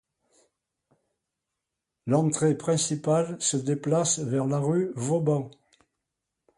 L'entrée principale se déplace vers la rue Vauban.